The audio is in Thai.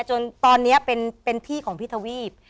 จนตอนนี้เป็นพี่ของพี่ทวีป